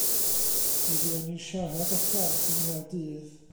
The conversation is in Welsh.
Mi fuon ni'n siarad â phlant yng Nghaerdydd.